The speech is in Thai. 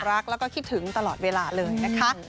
รักแล้วก็คิดถึงตลอดเวลาเลยนะคะ